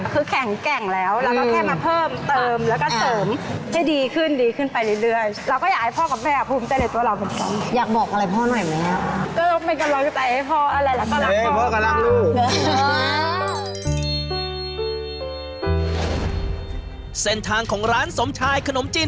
คือแข่งแกร่งแล้วแล้วก็แค่มาเพิ่มเติมแล้วก็เสริม